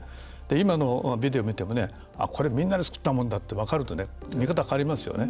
今のビデオ見ても、これみんなで作ったものだって分かると見方が変わりますよね。